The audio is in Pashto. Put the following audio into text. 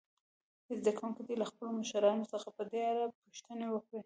زده کوونکي دې له خپلو مشرانو څخه په دې اړه پوښتنې وکړي.